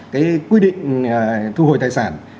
cái quy định thu hồi tài sản